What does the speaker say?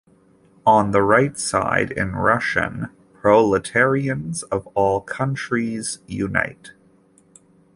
On the right side in Russian: Proletarians of all countries, unite!